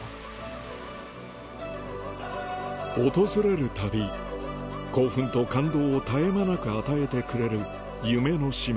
訪れるたび興奮と感動を絶え間なく与えてくれる夢の島